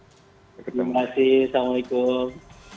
terima kasih assalamu'alaikum